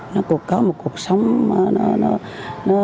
nó cũng có một cuộc sống nó